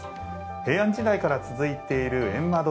平安時代から続いているゑんま堂